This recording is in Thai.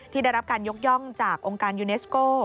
ได้รับการยกย่องจากองค์การยูเนสโก้